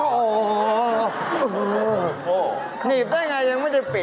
อ้าวนีบได้อย่างไรยังไม่ได้ปิด